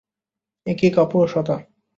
এ কী কাপুরুষতা!